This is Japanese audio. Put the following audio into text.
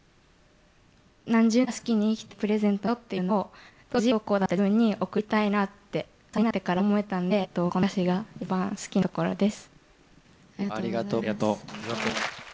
何十年か好きに生きていいプレゼントなんだよっていうのを当時不登校だった自分に贈りたいなって３年になってから思えたんでこの歌詞が一番好きなところです。